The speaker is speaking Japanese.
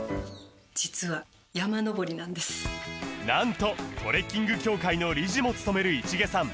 実はなんとトレッキング協会の理事も務める市毛さん